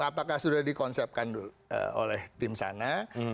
apakah sudah dikonsepkan dulu oleh tim sana